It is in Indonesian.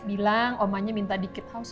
bilang omanya minta di kit house